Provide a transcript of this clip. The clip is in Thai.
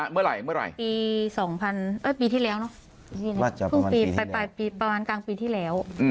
เมื่อไหร่ปี๒๐๐ปีที่แล้วเนอะเพิ่งไปประมาณกลางปีที่แล้ว